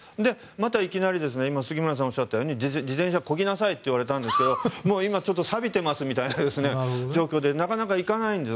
またいきなり、今杉村さんがおっしゃったように自転車をこぎなさいって言われたんですけど今ちょっと、さびてますみたいな状況でなかなか行かないんです。